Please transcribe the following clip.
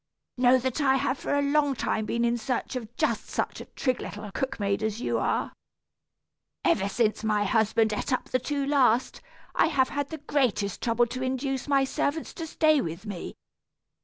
"Know that I have for a long time been in search of just such a trig little cook maid as you are. Ever since my husband ate up the two last, I have had the greatest trouble to induce my servants to stay with me.